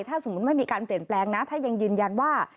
ถ้าสมมุติไม่มีการเปลี่ยนแปลงนะถ้ายังยืนยันว่า